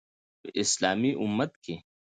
په اسلامي امت کې